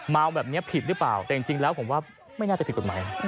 เมาแบบนี้ผิดหรือเปล่าแต่จริงแล้วผมว่าไม่น่าจะผิดกฎหมาย